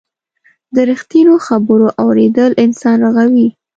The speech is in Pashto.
د رښتینو خبرو اورېدل انسان رغوي.